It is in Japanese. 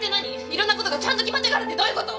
いろんなことがちゃんと決まってからってどういうこと！？